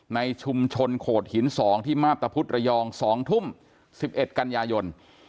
ในชุมชนโขดหินสองที่มาพตะพุธระยองสองทุ่มสิบเอ็ดกัญญายนต์